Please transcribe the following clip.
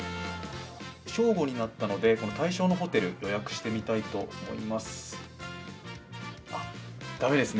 正午になったので、対象のホテルを予約してみたいと思います。